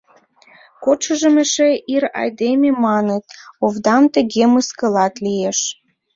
Кодшыжым эше ир айдеме маныт, овдам тыге мыскылат лиеш.